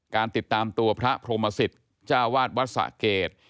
การติดตามตัวพระพรหมสิทธิ์จ้าวาดวัดสะเกด